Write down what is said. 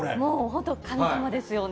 本当、神様ですよね。